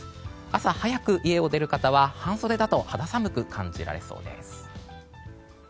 朝早く家を出る方は半袖だと肌寒く感じられそうです。